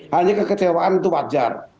hanya kekecewaan itu wajar